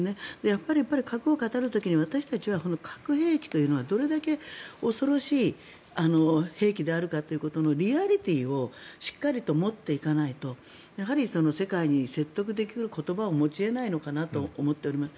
やっぱり核を語る時に私たちは核兵器というのはどれだけ恐ろしい兵器であるかということのリアリティーをしっかりと持っていかないとやはり世界に説得できる言葉を持ち得ないのかなと思ってます。